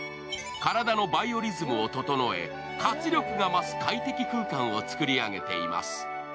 体のバイオリズムを整え、活力が増す快適空間を作り上げています。